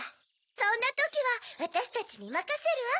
そんなときはわたしたちにまかせるアン！